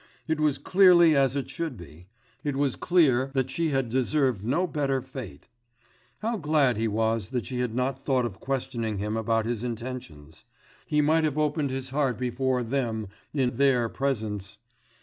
It was clearly as it should be; it was clear that she had deserved no better fate! How glad he was that she had not thought of questioning him about his intentions! He might have opened his heart before 'them' in 'their' presence....